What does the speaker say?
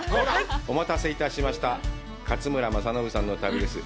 お待たせいたしました、勝村政信さんの旅です。